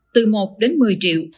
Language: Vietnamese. từ một đến một mươi triệu